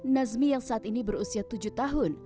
nazmi yang saat ini berusia tujuh tahun